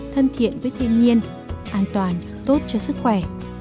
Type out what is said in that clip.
thân thiện với thiên nhiên an toàn tốt cho sức khỏe